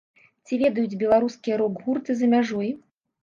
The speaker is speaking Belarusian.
Ці ведаюць беларускія рок-гурты за мяжой?